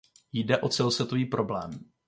Jde o celosvětový problém.